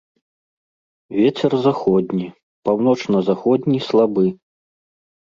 Вецер заходні, паўночна-заходні слабы.